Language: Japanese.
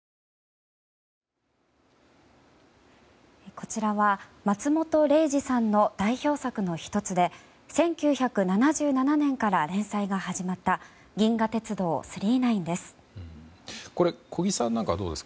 こちらは松本零士さんの代表作の１つで１９７７年から連載が始まった「銀河鉄道９９９」です。